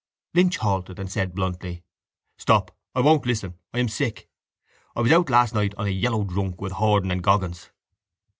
Lynch halted and said bluntly: —Stop! I won't listen! I am sick. I was out last night on a yellow drunk with Horan and Goggins.